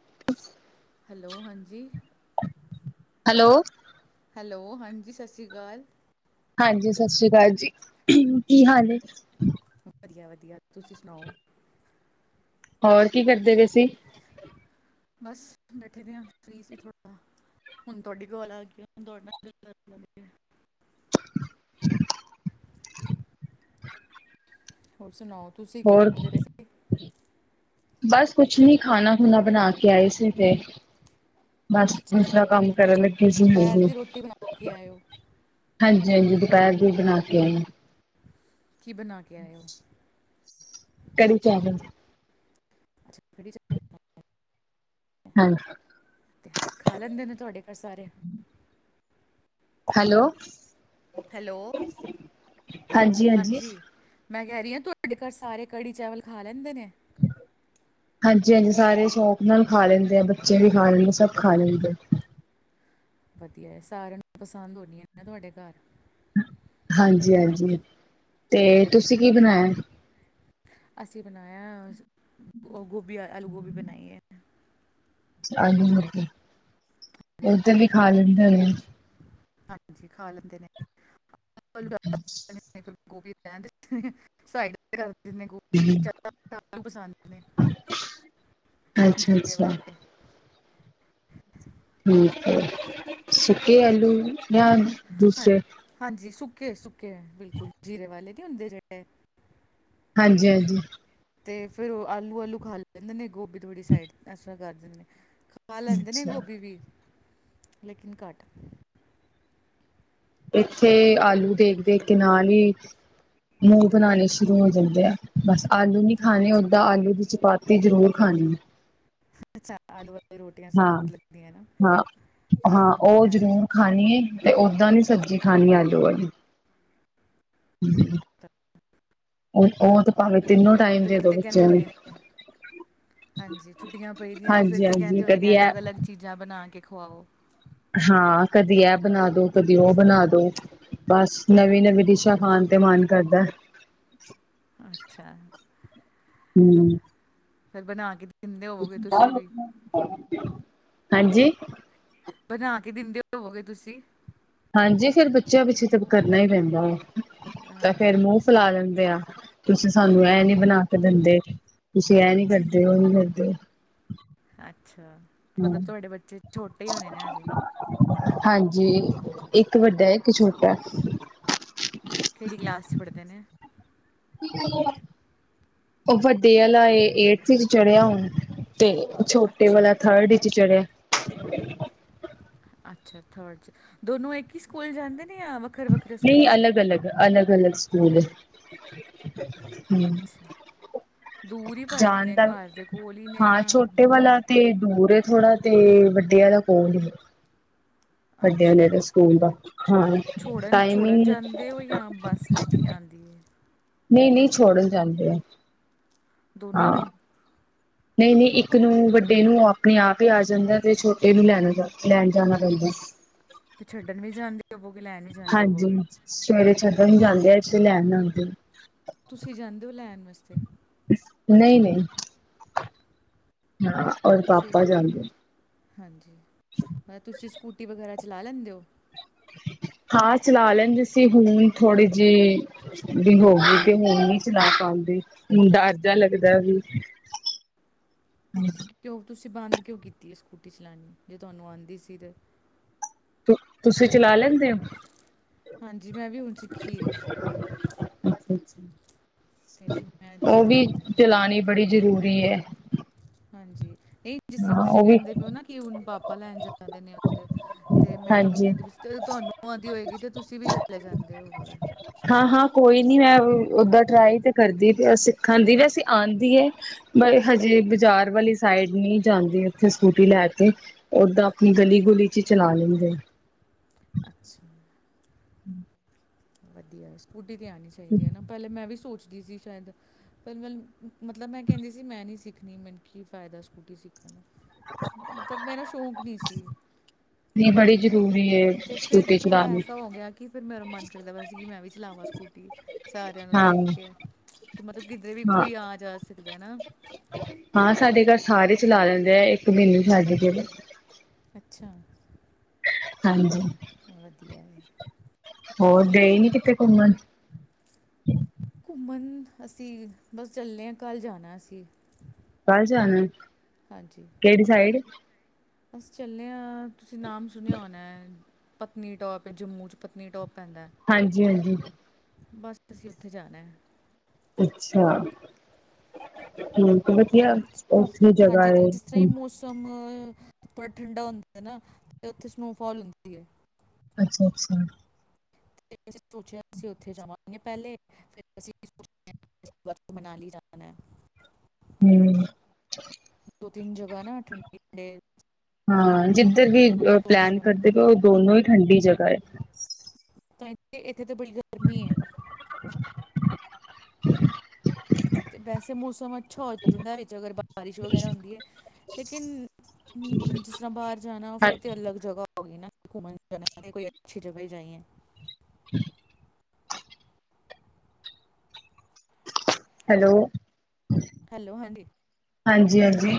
[unintelligible] Hello ਹਾਂਜੀ hello hello ਹਾਂਜੀ ਸਤਿ ਸੀ ਅਕਾਲ। ਹਾਂਜੀ, ਸਤਿ ਸ੍ਰੀ ਅਕਾਲ ਜੀ ਕੀ ਹਾਲ‌ ਏ? ਵਧੀਆ ਵਧੀਆ ਤੁਸੀਂ ਸੁਣਾਓ। ਹੋਰ ਕੀ ਕਰਦੇ ਪਏ ਸੀ। ਬਸ ਬੈਠੇ ਦੇ ਆਂ, ਫ੍ਰੀ ਸੀ ਥੋੜ੍ਹਾ ਹੁਣ ਤੁਆਡੀ ਕੋਲ ਆ ਗਈ ਹੁਣ ਤੁਆਡੇ ਨਾਲ ਗਲ [unintelligible] [unintelligible] ਹੋਰ ਸੁਣਾਓ। ਤੁਸੀਂ ਕੀ ਹੋਰ ਕਰਦੇ ਰਹੇ ਸੀ? ਬਸ ਕੁੱਛ ਨ੍ਹੀਂ ਖਾਨਾ ਖੂਣਾ ਬਣਾ ਕੇ ਆਏ ਸੀੇ ਫੇਰ ਬਸ ਅੱਛਾ ਦੂਸਰਾ ਦੁਪਹਿਰ ਕੰਮ ਦਾ ਕਰਨ ਲੱਗੇ ਸੀ ਦੁਪਹਿਰ ਹਾਂਜੀ, ਦੀ ਰੋਟੀ ਬਣਾ ਕੇ ਹਾਂਜੀ। ਆਏ ਹੋ ਹਾਂ ਜੀ ਦੁਪਹਿਰ ਦੀ ਬਣਾ ਕੇ ਆਈ ਆਂ। ਕੀ ਬਣਾ ਕੇ ਆਏ ਹੋ [unintelligible] ਕੜੀ ਚਾਵਲ। ਅੱਛਾ, ਕੜੀ ਚਾਵਲ। [unintelligible] ਤੇ ਖਾ ਲੈਂਦੇ ਨੇ ਤੁਹਾਡੇ ਘਰ ਸਾਰੇ। ਹੈਲੋ ਹੈਲੋ [unintelligible] ਹਾਂਜੀ ਹਾਂਜੀ ਮੈਂ ਕਹਿ ਰਹੀ ਹਾਂ ਤੁਹਾਡੇ ਘਰ ਸਾਰੇ ਕੜੀ ਚਾਵਲ ਖਾ ਲੈਂਦੇ ਨੇ। ਹਾਂਜੀ ਹਾਂਜੀ, ਸਾਰੇ ਸ਼ੌਕ ਨਾਲ ਖਾ ਲੈਂਦੇ ਆ ਬੱਚੇ ਵੀ ਖਾ ਲੈਂਦੇ ਆ, ਸਭ ਖਾ ਲੈਂਦੇ ਆ। ਵਧੀਆ ਸਾਰਿਆਂ ਨੂੰ ਪਸੰਦ ਹੋਣੀ ਆ ਨਾ ਤੁਹਾਡੇ ਘਰ। ਹਾਂਜੀ ਹਾਂਜੀ ਤੇ ਤੁਸੀਂ ਕੀ ਬਣਾਇਆ? ਅਸੀਂ ਬਣਾਇਆ ਉਹ ਗ ਆਲੂ ਗੋਭੀ ਬਣਾਈ ਐ। ਆਲੂ ਮਗੀ ਹਾਂਜੀ ਉਹਧ ਵੀ ਖਾ ਲੈਂਦੇ ਹੁਣੇ। ਹਾਂਜੀ ਖਾ ਲੈਂਦੇ ਨੇਂ। [unintelligible] ਕਹਿਦੇ [unintelligible] ਸਾਈਡ ਕਰ। ਹਮ ਜਨੇਭ ਪਸੰਦ ਨੇ, ਅੱਛਾ ਜੀਰੇ ਅੱਛਾ ਵਾਲੇ। ਹਂ ਫਿਰ ਸੁੱਕੇ ਆਲੂ ਜਾਂ ਹਾਂ, ਦੂਸਰੇ ਹਾਂਜੀ ਸੁ ਕੇ ਸੁਕੇ ਬਿਲਕੁਲ ਜੀਰੇ ਵਾਲੇ। ਕੀ ਹੁੰਦੇ ਜਿਹੜੇ ਹਾਂਜੀ ਹਾਂਜੀ। ਤੇ ਫੇਰ ਉਹ ਆਲੂ ਆਲੂ ਖਾ ਲੈਂਦੇ ਨੇ ਗੋਭੀ ਧੋੜੀ ਸਾਈਡ ਅਸਰ ਕਰਦੀ [unintelligible] ਖਾ ਲੈਂਦੇ ਨੇ ਅੱਛਾ ਗੋਭੀ ਵੀ ਲੇਕਿਨ ਘੱਟ ਇੱਥੇ ਆਲੂ ਦੇਖ ਦੇਖ ਕੇ ਨਾਲ ਹੀ ਮੂੰਹ ਬਣਾਉਣੇ ਸ਼ੁਰੂ ਹੋ ਜਾਂਦੇ ਆ ਬਸ। ਆਲੂ ਨੀ ਖਾਣੇ ਅੱਛਾ ਓਦਾਂ ਆਲੂ ਦੀ ਚਪਾਤੀ ਤੇ ਜ਼ਰੂਰ ਖਾਣੀ ਆ। ਅੱਛਾ ਆਲੂ ਵਾਲੀ ਰੋਟੀਆਂ ਹਾਂ ਸਵਾਦ ਲੱਗਦੀਆਂ ਨਾ ਹਾਂ ਹਾਂ ਉਹ ਹਾਂਜੀ ਜ਼ਰੂਰ ਖਾਣੀ ਹੈ ਤੇ ਓਦਾਂ ਦੀ ਸਬਜ਼ੀ ਖਾਣੀ ਆਲੂ ਆਲੀ। [inaudible] ਉਹ ਉਹ ਤੇ ਪਾਵੇ ਫੇਰ ਤੇ ਕਹਿੰਦੇ ਹੋਨੇ ਨੇ, ਹਾਂਜੀ ਛੁੱਟੀਆਂ ਪਈਦੀਆਂ ਤੇ ਫਿਰ ਹਾਂਜੀ ਤੇ ਹਾਂਜੀ ਕਹਿੰਦੇ ਹੋਣੇ ਨੇ ਕਦੀ ਇਹ ਅਲੱਗ-ਅਲੱਗ ਚੀਜ਼ਾਂ ਬਣਾ ਕੇ ਖੁਵਾਓ। ਹਾਂ ਕਦੀ ਇਹ ਬਣਾ ਦੋ, ਕਦੀ ਔਹ ਬਣਾ ਦੋ, ਬਸ ਨਵੀਂ -ਨਵੀਂ ਡਿਸ਼ਾਂ ਖਾਣ ਤੇ ਮਨ ਕਰਦਾ। ਅੱਛਾ। ਹੂੰ ਫੇਰ ਬਣਾ ਕੇ ਦਿੰਦੇ ਹੋਵੋਗੇ ਤੁਸੀਂ ਵੀ [inaudible] ਹਾਂਜੀ ਬਣਾ ਕੇ ਦਿੰਦੇ ਹੋਵੋਗੇ ਤੁਸੀਂ। ਹਾਂਜੀ ਫਿਰ ਬੱਚਿਆਂ ਪਿੱਛੇ ਤਾਂ ਕਰਨਾ ਹੀ ਪੈਂਦਾ ਏਹ। ਤਾਂ ਫੇਰ ਹਾਂਜੀ ਮੂੰਹ ਫੈਲਾ ਲੈਂਦੇ ਆ। ਤੁਸੀਂ ਸਾਨੂੰ ਏਹ ਨੀ ਬਣਾ ਕੇ ਦਿੰਦੇ। ਤੁਸੀ ਏਹ ਨੀ ਕਰਦੇ, ਔਹ ਨੀ ਕਰਦੇ। ਅੱਛਾ, ਹਾਂ ਮਤਲਬ ਤੁਹਾਡੇ ਬੱਚੇ ਛੋਟੇ ਹੀ ਹੋਣੇ ਨੇ ਹਜੇ। ਹਾਂਜੀ, ਇੱਕ ਵੱਡਾ, ਇੱਕ ਛੋਟਾ। ਕਿਹੜੀ ਕਲਾਸ ਚ ਪੜ੍ਹਦੇ ਨੇ। [inaudible] ਉਹ ਵੱਡੇ ਆਲਾ ਏ ਏਟਥ ਚੱ ਚੜਿਆ ਹੁਣ। ਤੇ ਛੋਟੇ ਅੱਛਾ ਵਾਲਾ ਥਰਡ ਚੱ ਚੜਿਆ। ਅੱਛਾ ਥਰਡ ਚ, ਦੋਨੋ ਇੱਕ ਹੀ ਸਕੂਲ ਜਾਂਦੇ ਨੇ ਯਾ ਨਹੀਂ ਅਲੱਗ -ਅਲਗ ਅਲੱਗ -ਅਲਗ ਸਕੂਲ ਏ। ਹੂੰ ਅੱਛਾ ਦੂਰ ਹੀ ਪਾਏ ਦੇ ਜਾਣ ਨੇ ਦਾ, ਘਰ ਦੇ ਕੋਲ ਹੀ ਨੇ ਹਾਂ ਜਾਂ ਛੋਟੇ ਦੂਰ ਵਾਲਾ ਨੇ ਤੇ ਦੂਰ ਏ। ਥੋੜਾ ਤੇ ਵੱਡੇ ਆਲਾ ਕੋਲ ਈ। ਵੱਡਿਆਂ ਅੱਛਾ ਨੇੜੇ ਸਕੂਲ ਦਾ [unintelligible] ਛੋੜਨ ਛੋੜਨ ਟਾਈਮਿੰਗ ਜਾਂਦੇ ਹੋ? ਜਾਂ ਬੱਸ ਲੈ ਕੇ ਆਂਦੀ ਏ? ਨਹੀਂ ਨਹੀਂ ਛੋੜਨ ਜਾਂਦੇ ਆ। ਦੋਨਾਂ ਨੂੰ? ਨਹੀਂ ਨਹੀਂ ਇੱਕ ਨੂੰ ਵੱਡੇ ਨੂੰ ਆਪਣੇ ਆਪ ਹੀ ਆ ਜਾਂਦਾ ਤੇ ਛੋਟੇ ਨੂੰ ਲੈਣ ਜਾਣਾ ਪੈਂਦਾ। ਤੇ ਛੱਡਣ ਵੀ ਜਾਂਦੇ ਹੋ ਹਾਂਜੀ ਸਵੇਰੇ ਜਦੋ ਵੀ ਜਾਂਦੇ ਆ, [unintelligible] ਲੈਣ ਜਾੰੰਦੇ ਹੋ। ਤੁਸੀਂ ਜਾਂਦੇ ਹੋ ਲੈਣ ਵਸਤੇ। ਨਹੀਂ ਨਹੀਂ ਤੁਸੀਂ ਹਾਂਜੀ ਮ ਤੁਸੀਂ ਸਕੂਟੀ ਵਗੈਰਾ [unintelligible] ਚਲਾ ਲੈਂਦੇ ਹੋ ਹਾਂ ਚਲਾ ਲੈਣਦੇ [unintelligible] ਸੀ ਹੁਣ ਥੋੜੇ ਜਿਹੇ ਵੀ ਹੋ ਗ ਤੇ ਹੁਣ ਨਹੀਂ ਚਲਾ ਪਾਉਂਦੇ ਹੁਣ ਡਰ ਜਾ ਲੱਗਦਾ ਵੀ ਕਿ ਹੋ ਤੁਸੀਂ [unintelligible] ਤੁਸੀਂ ਬੰਦ ਕਿਉਂ ਕੀਤੀ ਹੈ ਸਕੂਟੀ ਚਲਾਉਣੀ ਜੇ ਤੁਹਾਨੂੰ ਆਉਂਦੀ ਸੀ ਤੇ ਤੁਸੀਂ ਚਲਾ ਲੈਂਦੇ ਹੋ ਹਾਂਜੀ ਜੀ ਮੈਂ ਵੀ ਹੁਣ ਸਿੱਖੀ ਹੈ ਅੱਛਾ ਤੇ ਅੱਛਾ ਮੈਂ ਉਹ ਚਲਾ ਵੀ ਲੈਂਦੀ ਹਾਂ ਚਲਾਣੀ ਬੜੀ ਜ਼ਰੁਰੀ ਵੀ ਹੈ ਹਾਂਜੀ ਨਹੀਂ ਜਿਸ ਤਰ੍ਹਾਂ ਹਾਂ ਤੁਸੀਂ ਉਹ ਵੀ ਕਹਿੰਦੇ ਪਏ ਹੋ ਨਾ ਕਿ ਹੁਣ ਪਾਪਾ ਲੈਣ ਜਾਂਦੇ ਨੇ ਉਹਦੇ ਅਤੇ ਮੈਂ ਤੁਹਾਨੂੰ ਹਾਂਜੀ ਕਹਿੰਦੀ ਵੀ ਜਦੋਂ ਤੁਹਾਨੂੰ ਆਉਂਦੀ ਹੋਏਗੀ ਤਾਂ ਤੁਸੀਂ ਵੀ ਚਲੇ ਜਾਂਦੇ ਹੋ ਬ [unintelligible] ਹਾਂ ਹਾਂ ਕੋਈ ਨੀ ਮੈਂ ਓਦਾਂ ਟਰਾਈ ਤੇ ਕਰਦੀ ਸਿੱਖਣ ਦੀ ਵੈਸੇ ਆਉਂਦੀ ਆ ਬਟ ਹਜੇ ਬਾਜ਼ਾਰ ਵਾਲੀ ਸਾਈਡ ਨਹੀਂ ਜਾਂਦੀ ਉਥੇ ਸਕੂਟੀ ਲੈ ਕੇ ਓਦਾਂ ਆਪਣੀ ਗਲੀ ਗੁਲੀ ਚ ਚਲਾ ਲੈਂਦੀ ਆ ਅੱਛਾ [unintelligible] ਵਧੀਆ [unintelligible] ਆਉਨੀ ਚਾਹੀਦੀ ਹੈ ਨਾ ਪਹਿਲੇ ਮੈਂ ਵੀ ਸੋਚਦੀ ਸੀ ਸ਼ਾਇਦ ਪਰ ਮੈ ਮਤਲਬ ਮੈਂ ਕਹਿੰਦੀ ਸੀ ਮੈਂ ਨਹੀਂ ਸਿੱਖਣੀ ਮੈਨੂੰ ਕੀ ਫਾਇਦਾ ਸਕੂਟੀ ਸਿੱਖਣ ਦਾ ਮਤਲਬ ਮੇਰਾ ਸ਼ੌਂਕ ਨਹੀਂ ਸੀ ਨਹੀਂ ਬੜੀ ਜ਼ਰੂਰੀ ਏ ਤੇ ਫ਼ਿਰ ਸਕੂਟੀ ਥੋੜ੍ਹਾ ਚਲਾਣੀ ਐਸਾ ਹੋ ਗਿਆ ਕਿ ਫਿਰ ਮੇਰਾ ਮਨ ਦਾ ਬਸ ਸੀ ਮੈਂ ਵੀ ਚਲਾਵਾਂ ਸਕੂਟੀ ਸਾਰਿਆਂ ਨੂੰ ਹਾਂ। ਦੇਖ ਕੇ ਕਿ ਮਤਲਬ ਕਿਧਰ ਵੀ ਹਾਂ, ਕੋਈ ਆ ਜਾ ਸਕ ਨਾ ਹਾਂ ਸਾਡੇ ਘਰ ਸਾਰੇ ਚਲਾ ਲੈਂਦੇ ਆ ਇੱਕ ਮੈਨੂੰ ਛੱਡ ਕੇ ਅੱਛਾ ਹਾਂਜੀ ਵਧੀਆ ਏ ਹੋਰ ਗਏ ਨ ਕਿੱਥੇ ਘੁੰਮਣ ਘੁੰਮਣ ਅਸੀਂ ਬਸ ਚੱਲੇ ਹਾਂ ਘੱਲ ਜਾਣਾ ਅਸੀਂ ਕੱਲ ਜਾਣਾ ਏ ਕਿਹੜੀ ਸਾਈਡ ਅਸੀ ਚੱਲੇ ਹਾਂ ਤੁਸੀਂ ਨਾਮ ਸੁਣਿਆ ਹੋਉਣਾ ਪਤਨੀਟੋਪ ਹੈ ਜੰਮੂ'ਚ ਪਤਨੀਟੋਪ ਹਾਂਜੀ, ਹਾਂਜੀ ਬਸ ਤੂੰਸੀਂ ਉੱਥੇ ਜਾਣਾ ਹੈ। ਅੱਛਾ, ਹਮ ਵਧੀਆ ਸਨੋ ਉਓਥੇ ਜਗ੍ਹਾ ਹੈ। ਉਪਰ ਠੰਡਾ ਹੁੰਦਾ ਨਾ ਤੇ ਉੱਥੇ ਸਨੋਫਾਲ ਹੁੰਦੀ ਹੈ। ਅੱਛਾ, ਅੱਛਾ ਫੇਰ ਅਸੀਂ ਸੋਚਿਆ ਅਸੀਂ ਉੱਥੇ ਜਾਵਾਂਗੇ ਪਹਿਲੇ ਫਿਰ ਅਸੀ ਮਨਾਲੀ ਜਾਣਾ ਏ। ਹਮ। ਇਕ ਦੋ ਤਿੰਨ ਜਗਾ ਨਾ ਠੰਡੀ ਠੰਡੇ ਏ। ਹਾਂ। ਜਿੱਧਰ ਵੀ ਪਲੈਨ ਕਰਦੇ ਪਏ ਉਹ ਦੋਨੋ ਹੀ ਠੰਡੀ ਜਗ੍ਹਾ ਹੈ। ਤਾਂ ਇੱਥੇ ਇਕ ਇਥੇ ਤਾਂ ਬੜੀ ਗਰਮੀ ਹੈ। ਤੇ ਵੈਸੇ ਮੌਸਮ ਅੱਛਾ ਹੋ ਜਾਂਦਾ ਵਿੱਚ ਅਗਰ ਬਾਰਿਸ਼ ਵਗੈਰਾ ਹੁੰਦੀ ਹੈ, ਲੇਕਿਨ ਜਿਸ ਤਰ੍ਹਾਂ ਬਾਹਰ ਜਾਣਾ ਫਿਰ ਉਹ ਤੇ ਅਲੱਗ ਜਗ੍ਹਾ ਓਹੀ ਨਾ ਕਿ ਘੁੰਮਣ ਜਾਨਾ ਵੇ ਕੋਈ ਅੱਛੀ ਜਗ੍ਹ ਜਾਈਏ। [inaudible] ਹੈਲੋ। ਹੈਲੋ, ਹਾਂਜੀ। ਹਾਂਜੀ, ਹਾਂਜੀ